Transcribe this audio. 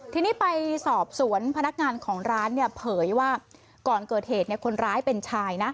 ทีนี้ไปสอบสวนพนักงานของร้านเนี่ยเผยว่าก่อนเกิดเหตุคนร้ายเป็นชายนะ